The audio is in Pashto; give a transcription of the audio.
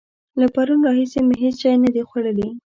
له پرونه راهسې مې هېڅ شی نه دي خوړلي.